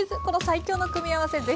この最強の組み合わせ